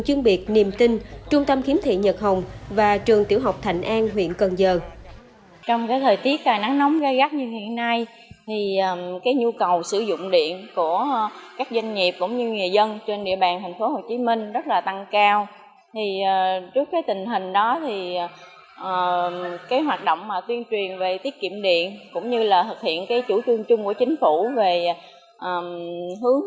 với thời tiết nắng nóng nhu cầu sử dụng điện tăng cao công trình hệ thống điện năng lượng mặt trời áp máy tiết kiệm chi phí rất lớn cho nhà trường